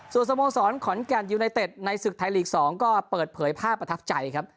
ส่วนสโมสรขอนแก่นยูไนเต็ดในศึกไทยลีก๒ก็เปิดเผยภาพประทับใจครับ